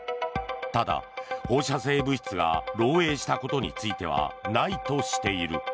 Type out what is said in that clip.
ただ、放射性物質が漏洩したことについてはないとしている。